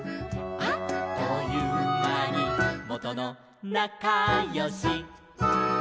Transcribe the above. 「あっというまにもとのなかよし」